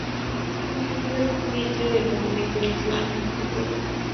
Es una locura, porque fue el comienzo del movimiento del cine independiente.